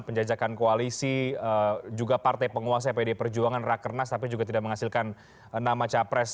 penjajakan koalisi juga partai penguasa pd perjuangan rakernas tapi juga tidak menghasilkan nama capres